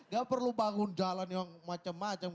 gak perlu bangun jalan yang macem macem